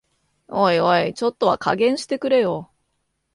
おいおい、ちょっとは加減してくれよ